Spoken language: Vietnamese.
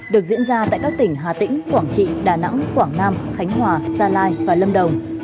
được diễn ra tại các tỉnh hà tĩnh quảng trị đà nẵng quảng nam khánh hòa gia lai và lâm đồng